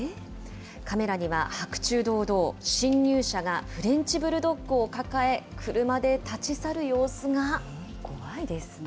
カメラには白昼堂々、侵入者がフレンチブルドッグを抱え、車で立ち去る様子が。